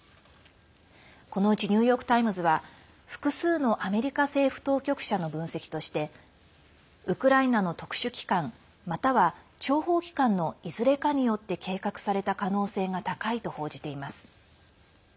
このうちニューヨーク・タイムズは複数のアメリカ政府当局者の分析としてウクライナの特殊機関、または諜報機関のいずれかによって計画された可能性が高いと報じています。